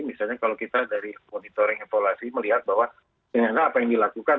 misalnya kalau kita dari monitoring evaluasi melihat bahwa dengan apa yang dilakukan